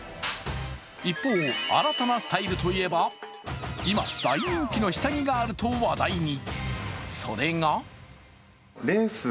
一方、新たなスタイルといえば今、大人気の下着があると話題に。